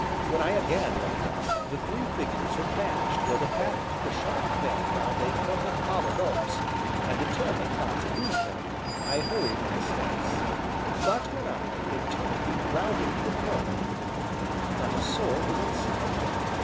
When I again looked up, the three figures had vanished where the path took a sharp bend round a clump of pollard oaks, and, determined not to lose them, I hurried my steps; but when I, in turn, rounded the corner, not a soul was in sight.